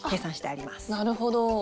あなるほど。